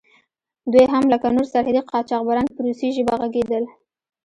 دوی هم لکه نور سرحدي قاچاقبران په روسي ژبه غږېدل.